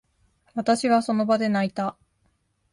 私は、その場で泣いた。